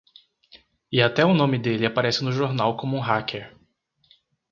E até o nome dele aparece no jornal como um hacker.